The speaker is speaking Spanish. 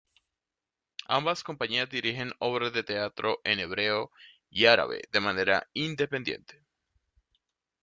Ambas compañías dirigen obras de teatro en hebreo y árabe de manera independiente.